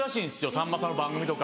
さんまさんの番組とか。